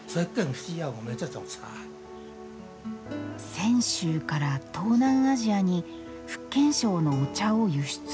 泉州から東南アジアに福建省のお茶を輸出。